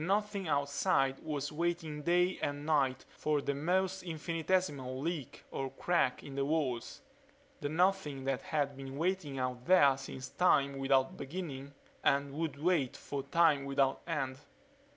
The Nothing outside was waiting day and night for the most infinitesimal leak or crack in the walls; the Nothing that had been waiting out there since time without beginning and would wait for time without end.